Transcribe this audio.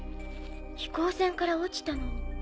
飛行船から落ちたのに。